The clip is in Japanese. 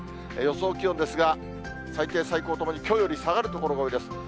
予想気温ですが、最低、最高ともにきょうより下がる所が多いです。